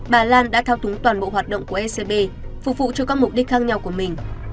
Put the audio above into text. bà lan đã thao túng toàn bộ hoạt động của ecb phục vụ cho các mục đích khác nhau của mình